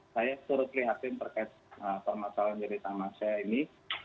saya turut lihatin terkait permasalahan dari tamasya ini